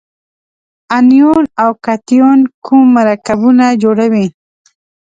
انیون او کتیون کوم مرکبونه جوړوي؟